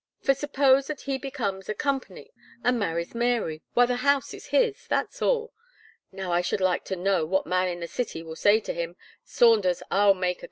For suppose, that he becomes a Co., and marries Mary, why the house is his, that's all. Now I should like to know what man in the city will say to him: 'Saunders, I'll make a Co.